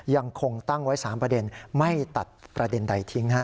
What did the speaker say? ยังคงตั้งไว้๓ประเด็นไม่ตัดประเด็นใดทิ้ง